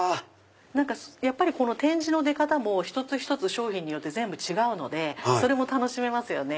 やっぱり点字の出方も一つ一つ商品によって全部違うのでそれも楽しめますよね。